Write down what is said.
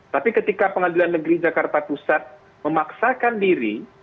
tapi ketika pengadilan negeri jakarta pusat memaksakan diri